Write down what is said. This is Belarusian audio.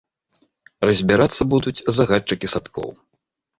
Разбірацца будуць загадчыкі садкоў.